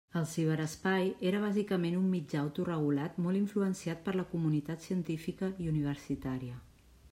El ciberespai era bàsicament un mitjà autoregulat molt influenciat per la comunitat científica i universitària.